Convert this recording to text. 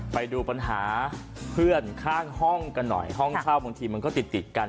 ไปดูปัญหาเพื่อนข้างห้องกันหน่อยห้องเช่าบางทีมันก็ติดติดกัน